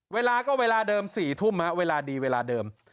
เวลาก็เวลาเดิม๔ทุ่มเวลาดีเวลาเดิม